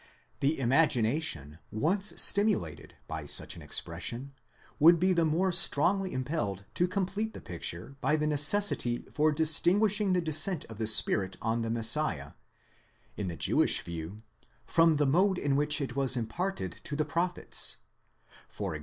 The imagination, once stimulated by such an expression, would be the more strongly impelled to complete the picture by the necessity for distinguishing the descent of the Spirit on the Messiah,— in the Jewish view, from the mode in which it was imparted to the prophets (e.g.